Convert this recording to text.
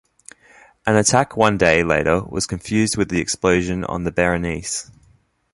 An attack one day later was confused with the explosion on the Berenice.